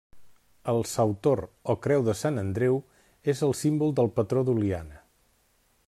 El sautor, o creu de Sant Andreu, és el símbol del patró d'Oliana.